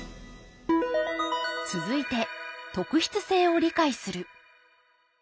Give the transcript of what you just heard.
続いて「特筆性を理解する」。